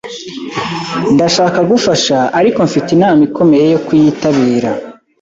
Ndashaka gufasha, ariko mfite inama ikomeye yo kuyitabira.